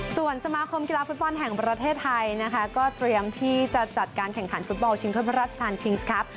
ส่วนสมาคมกีฬาฟุตบอลแห่งประเทศไทยนะคะก็เตรียมที่จะจัดการแข่งขันฟุตบอลชิงถ้วยพระราชทานคิงส์ครับ